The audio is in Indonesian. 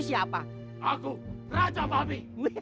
siapa aku raja babi